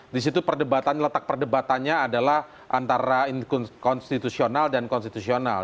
disitu perdebatan letak perdebatannya adalah antara konstitusional dan konstitusional